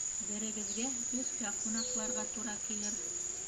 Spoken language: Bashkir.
Берегеҙгә өҫкә ҡунаҡларға тура килер.